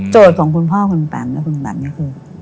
ของคุณพ่อคุณแปมและคุณแปมนี่คือ